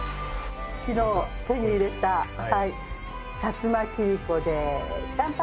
昨日手に入れた薩摩切子で乾杯。